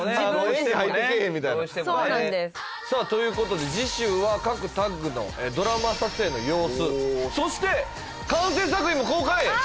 演技入ってけえへんみたいなさあということで次週は各タッグのドラマ撮影の様子そして完成作品も公開